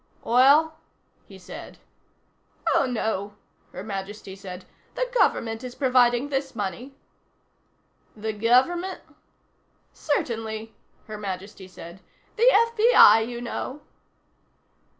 "Oil?" he said. "Oh, no," Her Majesty said. "The Government is providing this money." "The Government?" "Certainly," Her Majesty said. "The FBI, you know."